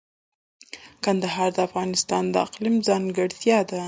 کندهار د افغانستان د اقلیم ځانګړتیا ده.